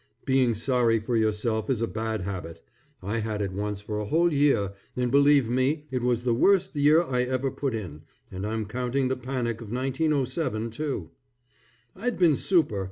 Being sorry for yourself is a bad habit. I had it once for a whole year, and believe me it was the worst year I ever put in, and I'm counting the panic of 1907 too. I'd been super.